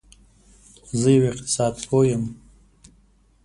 زه یو اقتصاد پوه یم